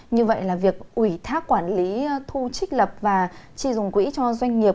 như vậy là việc ủy thác quản lý thu trích lập và tri dùng quỹ cho doanh nghiệp